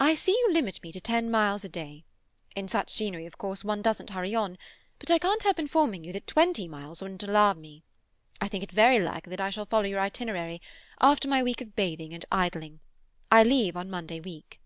"I see you limit me to ten miles a day. In such scenery of course one doesn't hurry on, but I can't help informing you that twenty miles wouldn't alarm me. I think it very likely that I shall follow your itinerary, after my week of bathing and idling. I leave on Monday week."